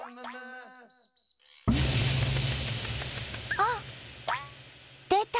あっでた！